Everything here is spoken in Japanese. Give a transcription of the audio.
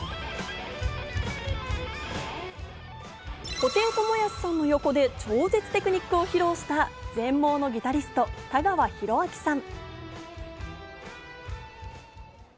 布袋寅泰さんの横で超絶テクニックを披露した全盲のギタリスト・田川ヒロアキさん。